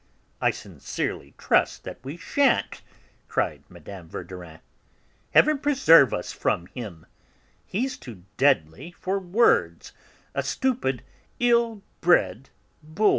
"I sincerely trust that we sha'n't!" cried Mme. Verdurin. "Heaven preserve us from him; he's too deadly for words, a stupid, ill bred boor."